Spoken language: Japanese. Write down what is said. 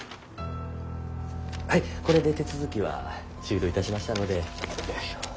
はいこれで手続きは終了いたしましたので。